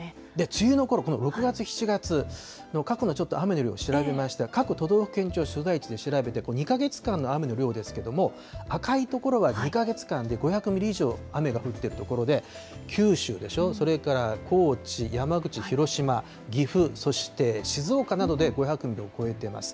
梅雨のころ、この６月、７月の過去の雨を調べまして、各都道府県庁所在地で調べた２か月間の雨の量ですけども、赤い所は２か月間で５００ミリ以上、雨が降ってる所で、九州でしょ、それから高知、山口、広島、岐阜、そして静岡などで５００ミリを超えてます。